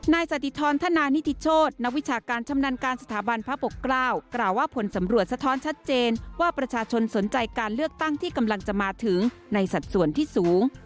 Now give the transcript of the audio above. สถิธรธนานิทิโชธนักวิชาการชำนาญการสถาบันพระปกเกล้ากล่าวว่าผลสำรวจสะท้อนชัดเจนว่าประชาชนสนใจการเลือกตั้งที่กำลังจะมาถึงในสัดส่วนที่สูง